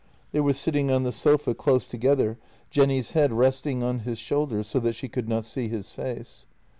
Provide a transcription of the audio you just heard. They were sitting on the sofa close together, Jenny's head resting on his shoulder, so that she could not see his face.